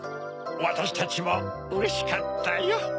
わたしたちもうれしかったよ。